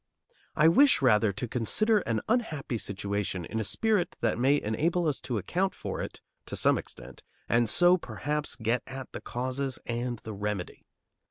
I wish, rather, to consider an unhappy situation in a spirit that may enable us to account for it, to some extent, and so perhaps get at the causes and the remedy.